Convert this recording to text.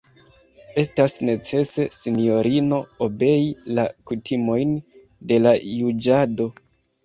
Estas necese, sinjorino, obei la kutimojn de la juĝado.